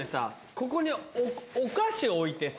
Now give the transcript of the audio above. ここにお菓子置いてさ